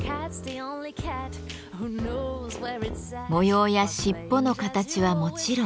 模様や尻尾の形はもちろん。